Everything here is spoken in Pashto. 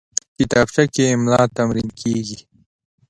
کتابچه کې املا تمرین کېږي